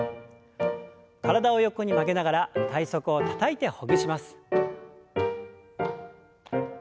体を横に曲げながら体側をたたいてほぐします。